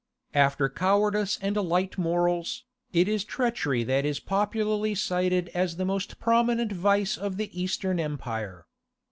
After cowardice and light morals, it is treachery that is popularly cited as the most prominent vice of the Eastern Empire.